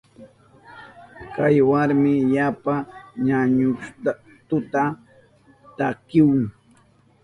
Kay warmi yapa ñañustuta takihun.